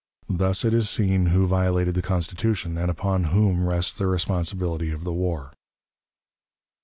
Thus it is seen who violated the Constitution, and upon whom rests the responsibility of the war.